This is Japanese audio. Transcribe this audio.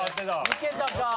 いけたか。